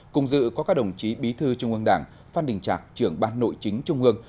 cùng dự có các đồng chí bí thư trung ương đảng phan đình trạc trưởng ban nội chính trung ương